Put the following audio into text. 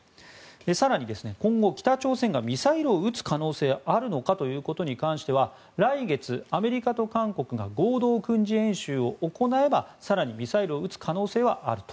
更に、今後北朝鮮がミサイルを撃つ可能性はあるのかということに関しては来月、アメリカと韓国が合同軍事演習を行えば更にミサイルを撃つ可能性はあると。